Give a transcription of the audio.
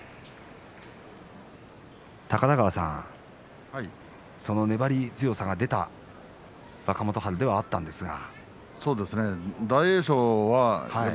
高田川さん、その粘り強さが出た若元春ではあったんですが。